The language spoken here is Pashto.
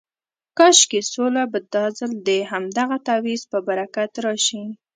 کاشکې سوله به دا ځل د همدغه تعویض په برکت راشي.